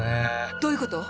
どういうこと？